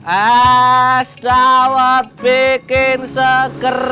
es dawa bikin seger